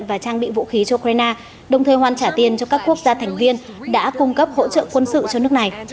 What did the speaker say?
và trang bị vũ khí cho ukraine đồng thời hoàn trả tiền cho các quốc gia thành viên đã cung cấp hỗ trợ quân sự cho nước này